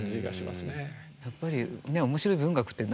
やっぱり面白い文学って